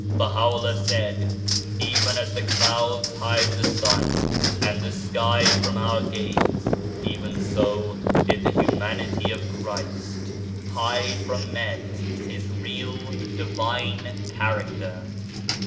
Baha'u'llah said, " Even as the clouds hide the sun and the sky from our gaze, even so did the humanity of Christ hide from men His real Divine character."